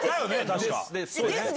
確か。